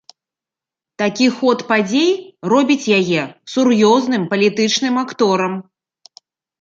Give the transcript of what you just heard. Такі ход падзей робіць яе сур'ёзным палітычным акторам.